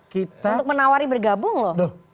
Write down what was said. kita untuk menawari bergabung loh